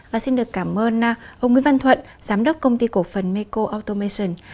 và xin được cảm ơn ông nguyễn văn thuận giám đốc công ty cổ phần meko automation